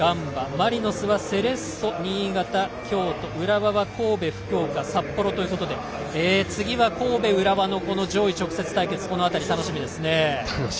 マリノスはセレッソ、新潟浦和は神戸、福岡、札幌ということで次は神戸、浦和の上位直接対決楽しみです。